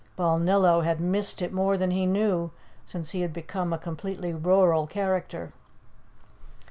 Balnillo had missed it more than he knew since he had become a completely rural character.